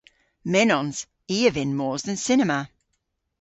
Mynnons. I a vynn mos dhe'n cinema.